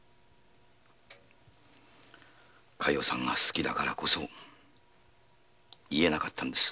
加代さんが好きだからこそ言えなかったんですよ。